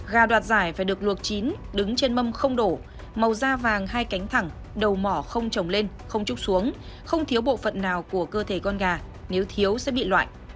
gà đoạt giải phải được luộc chín đứng trên mâm không đổ màu da vàng hai cánh thẳng đầu mỏ không trồng lên không trúc xuống không thiếu bộ phận nào của cơ thể con gà nếu thiếu sẽ bị loại